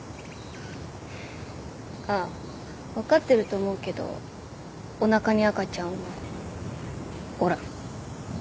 あっ分かってると思うけどおなかに赤ちゃんはおらん。